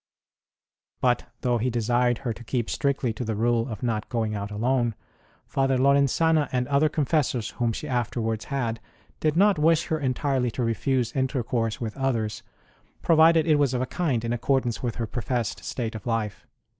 But, though he desired her to keep strictly to the rule of not going out alone, Father Lorenzana, and other confessors whom she afterwards had, did not wish her entirely to refuse intercourse with others, provided it was of a kind in accord ance with her professed state of life.